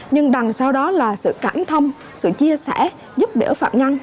nhưng đằng sau đó là sự cảm thông sự chia sẻ giúp đỡ phạm nhân